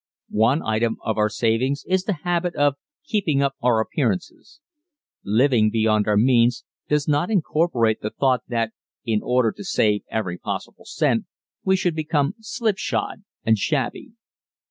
One item of our savings is the habit of keeping up our appearances. Living beyond our means does not incorporate the thought that, in order to save every possible cent, we should become slipshod and shabby.